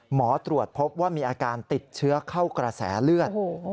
หมอตรวจพบว่ามีอาการติดเชื้อเข้ากระแสเลือด